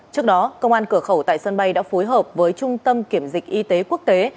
trước đó công an cửa khẩu tại sân bay đã phối hợp với trung tâm kiểm dịch y tế quốc tế